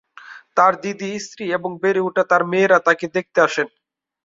তাঁর দিদি, স্ত্রী এবং বেড়ে ওঠা তাঁর মেয়েরা তাঁকে দেখতে আসেন।